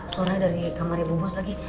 suara dari kamarnya bu bos lagi